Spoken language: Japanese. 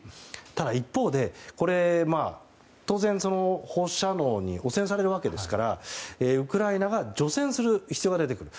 ただ、一方でこれ当然、放射能に汚染されるわけですからウクライナが除染する必要が出てくる。